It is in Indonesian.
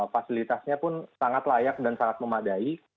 fasilitasnya pun sangat layak dan sangat memadai